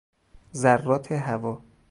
ذرات هوا